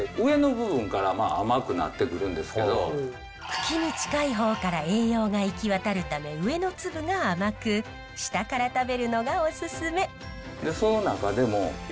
茎に近い方から栄養が行き渡るため上の粒が甘く下から食べるのがオススメ。